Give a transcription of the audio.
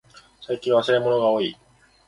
最近忘れ物がおおい。